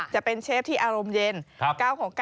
จะเป็นเชฟที่อารมณ์เย็น๙๖๙